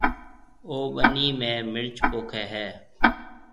او ٻنِي ۾ مرچ پوکيَ ھيََََ